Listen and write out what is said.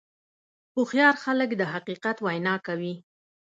هوښیار خلک د حقیقت وینا کوي.